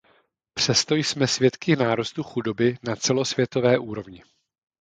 Přesto jsme svědky nárůstu chudoby na celosvětové úrovni.